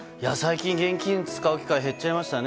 現金使う機会減っちゃいましたね。